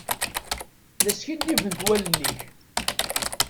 La skiddibent wallen-ik.